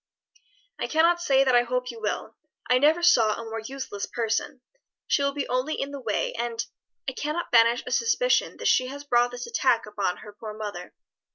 "I cannot say that I hope you will. I never saw a more useless person; she will be only in the way; and I cannot banish a suspicion that she has brought this attack upon her poor mother.